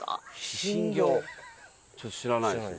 ちょっと知らないです。